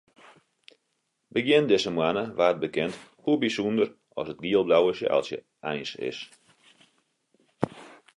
Begjin dizze moanne waard bekend hoe bysûnder as it giel-blauwe skaaltsje eins is.